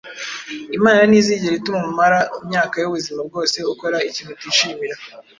Imana ntizigera ituma umara imyaka y’ubuzima bwose ukora ikintu utishimira